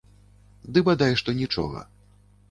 Ды бадай што нічога.